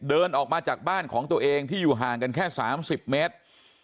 เดินออกมาจากบ้านของตัวเองที่อยู่ห่างกันแค่๓๐เมตร